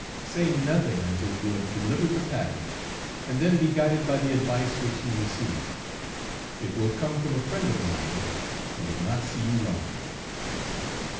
Say nothing until you have delivered the package, and then be guided by the advice which you receive, it will come from a friend of mine who will not see you wronged.'